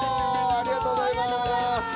ありがとうございます。